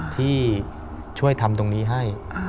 ที่ช่วยทำตรงนี้ให้